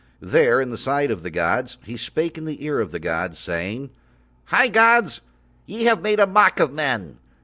There in the sight of the gods he spake in the ear of the gods, saying: "High gods! Ye have made mock of men.